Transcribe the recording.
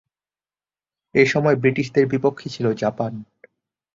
এসময় ব্রিটিশদের বিপক্ষে ছিল জাপান।